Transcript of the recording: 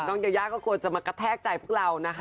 น้องเย้ย่าก็กลัวจะมากระแทกใจพวกเรานะคะ